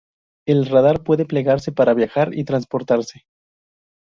El radar puede plegarse para viajar y transportarse.